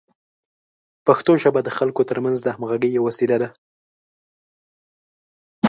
پښتو ژبه د خلکو ترمنځ د همغږۍ یوه وسیله ده.